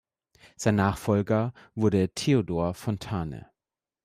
Sein Nachfolger wurde Theodor Fontane.